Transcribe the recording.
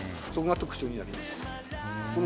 そこが特徴になります。